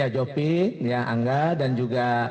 jopin angga dan juga